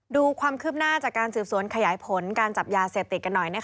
ดูความคืบหน้าจากการสืบสวนขยายผลการจับยาเสพติดกันหน่อย